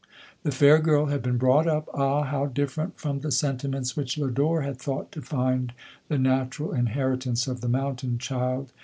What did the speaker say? The fair girl had been brought up (ah ' how different from the sentiments which Lodore had thought to find the natural inheritance of the mountain child